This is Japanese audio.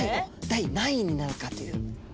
第何位になるかという。